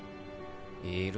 いる。